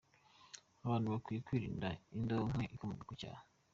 Abantu bakwiye kwirinda indonke ikomoka ku cyaha.